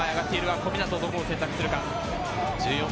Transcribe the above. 小湊、どこを選択するか？